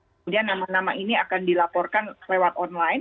kemudian nama nama ini akan dilaporkan lewat online